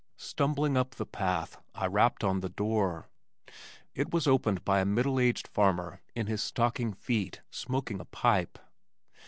Stumbling up the path I rapped on the door. It was opened by a middle aged farmer in his stocking feet, smoking a pipe.